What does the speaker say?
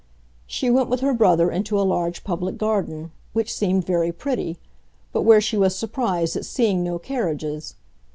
She went with her brother into a large public garden, which seemed very pretty, but where she was surprised at seeing no carriages.